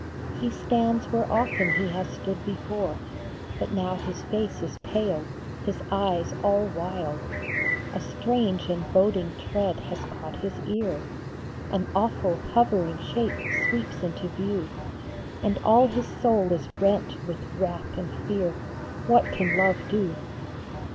He stands where often he has stood before ; But now his face is pale, his eyes all wild, A strange and boding tread has caught his ear, An awful, hovering shape sweeps into view, And all his soul is rent with wrath and fear What can Love do